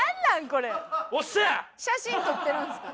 写真撮ってるんですか？